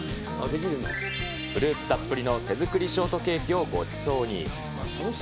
フルーツたっぷりの手作りショートケーキをごちそうに。